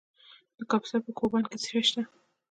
د کاپیسا په کوه بند کې څه شی شته؟